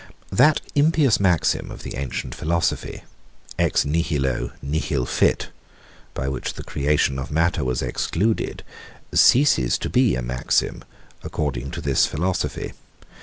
That impious maxim of the ancient philosophy, Ex nihilo, nihil fit, by which the creation of matter was excluded, ceases to be a maxim, according to this philosophy.